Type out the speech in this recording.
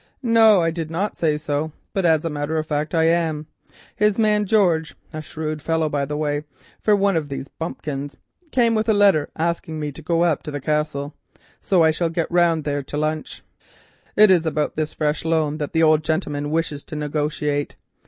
"No, I did not say so, but as a matter of fact I am. His man, George—a shrewd fellow, by the way, for one of these bumpkins—came with a letter asking me to go up to the Castle, so I shall get round there to lunch. It is about this fresh loan that the old gentleman wishes to negotiate.